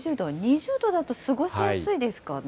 ２０度だと過ごしやすいですかね。